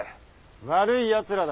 悪いやつらだ。